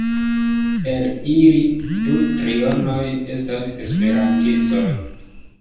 El ili du trionoj estas esperantistoj.